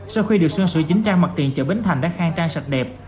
sau khi được sơn sửa chính trang mặt tiền chợ bến thành đã khang trang sạch đẹp